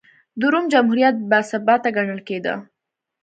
د روم جمهوریت باثباته ګڼل کېده.